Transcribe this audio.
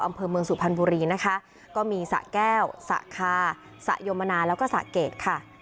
อำเภอเมืองสุพรรณบุรีนะคะก็มีสะแก้วสะคาสะโยมนาแล้วก็สะเกดค่ะ